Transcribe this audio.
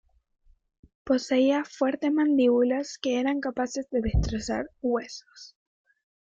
Poseía fuertes mandíbulas que eran capaces de destrozar huesos.